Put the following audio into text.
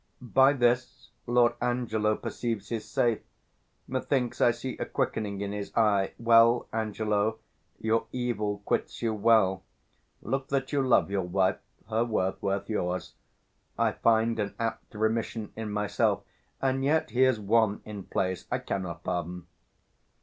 By this Lord Angelo perceives he's safe; Methinks I see a quickening in his eye. Well, Angelo, your evil quits you well: Look that you love your wife; her worth worth yours. 495 I find an apt remission in myself; And yet here's one in place I cannot pardon.